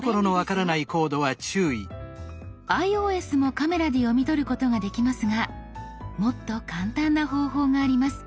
ｉＯＳもカメラで読み取ることができますがもっと簡単な方法があります。